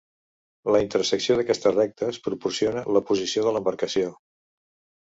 La intersecció d'aquestes rectes proporciona la posició de l'embarcació.